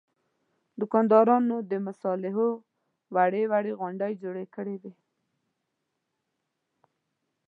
دوکاندارانو د مصالحو وړې وړې غونډۍ جوړې کړې وې.